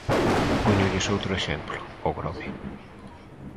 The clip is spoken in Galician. Póñolles outro exemplo: O Grove.